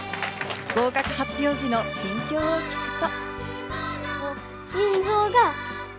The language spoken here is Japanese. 合格発表時の心境を聞くと。